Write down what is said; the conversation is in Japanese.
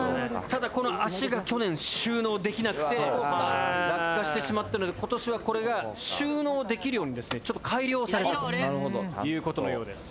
ただこの脚が去年収納できなくて落下してしまったので今年はこれが収納できるようにですねちょっと改良されたという事のようです。